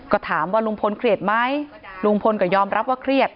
ก็ถามว่าลุงพลเครียดไหมลุงพลก็ยอมรับว่าเครียด